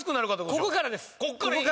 ここからですよ。